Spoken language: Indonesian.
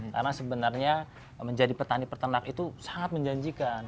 karena sebenarnya menjadi petani petanak itu sangat menjanjikan